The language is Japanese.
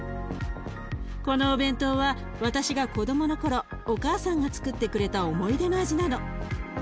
このお弁当は私が子どもの頃お母さんがつくってくれた思い出の味なの。